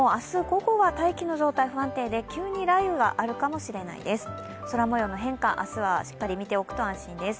午後は大気の状態が不安定で急に雷雨があるかもしれないです。